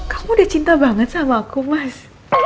kamu udah cinta banget sama aku mas